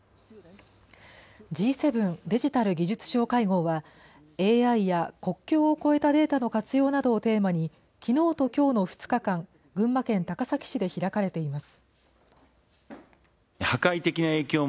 Ｇ７デジタル・技術相会合は、ＡＩや国境を越えたデータの活用などをテーマに、きのうときょうの２日間、群馬県高崎市で開かれています。